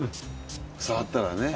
触ったらね。